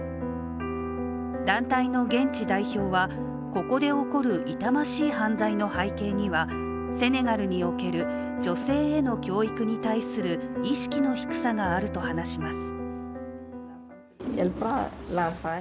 団体の現地代表は、ここで起こる痛ましい犯罪の背景にはセネガルにおける女性への教育に対する意識の低さがあると話します。